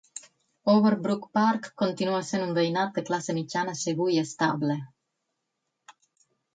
Overbrook Park continua essent un veïnat de classe mitjana segur i estable.